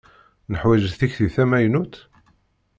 Neḥwaǧ tikti tamaynut?